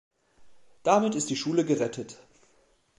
Damit ist die Schule gerettet.